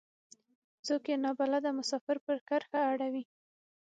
څوک يې نا بلده مسافر پر کرښه اړوي.